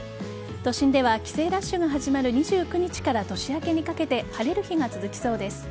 都心では帰省ラッシュが始まる２９日から年明けにかけて晴れる日が続きそうです。